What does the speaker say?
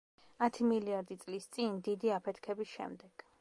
ათი მილიარდი წლის წინ, დიდი აფეთქების შემდეგ.